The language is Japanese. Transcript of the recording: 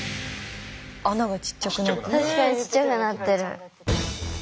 確かにちっちゃくなってる。